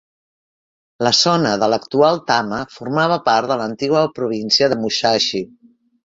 La zona de l'actual Tama formava part de l'antiga província de Musashi.